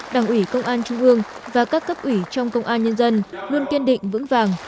đảng ủy công an trung ương và các cấp ủy trong công an nhân dân luôn kiên định vững vàng